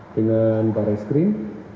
dengan para skrim